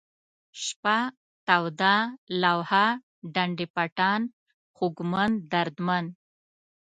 شپه ، توده ، لوحه ، ډنډ پټان ، خوږمن ، دردمن